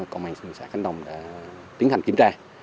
công an xã khánh đông đã tiến hành kiểm tra